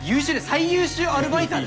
最優秀アルバイターです